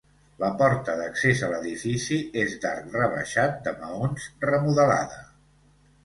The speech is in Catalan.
La porta d'accés a l'edifici és d'arc rebaixat de maons, remodelada.